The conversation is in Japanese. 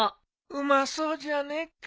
うまそうじゃねえか。